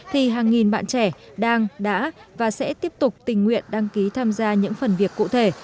thì hàng nghìn bạn trẻ đang đã và sẽ tiếp tục tình nguyện đăng ký tham gia những phần việc cụ thể